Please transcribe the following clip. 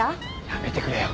やめてくれよ。